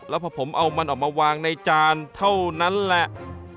แล้วพอผมเอามันออกมาวางในจานเท่านั้นแหละ